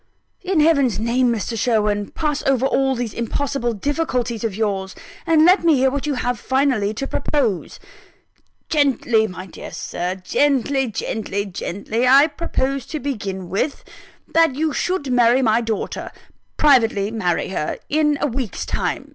"In Heaven's name, Mr. Sherwin, pass over all these impossible difficulties of yours! and let me hear what you have finally to propose." "Gently, my dear Sir! gently, gently, gently! I propose to begin with: that you should marry my daughter privately marry her in a week's time.